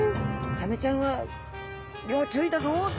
「サメちゃんは要注意だぞ」と。